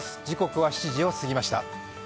時刻は７時を過ぎました。